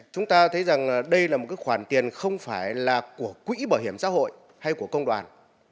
chúng ta thấy rằng đây là một khoản tiền không phải là của quỹ bảo hiểm xã hội hay của công đoàn